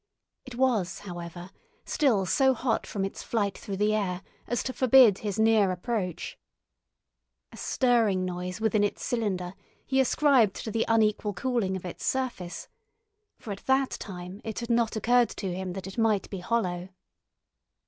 It was, however, still so hot from its flight through the air as to forbid his near approach. A stirring noise within its cylinder he ascribed to the unequal cooling of its surface; for at that time it had not occurred to him that it might be hollow.